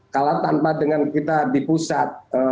kalah tanpa dengan kita di pusat